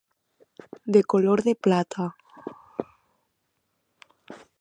De color de plata.